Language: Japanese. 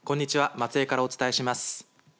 松江からお伝えします。